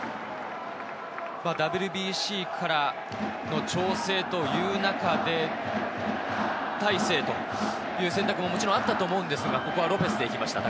ＷＢＣからの調整という中で、大勢という選択ももちろんあったと思うんですが、ここはロペスで行きました。